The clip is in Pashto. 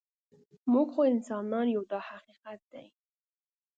موږ خو انسانان یو دا حقیقت دی.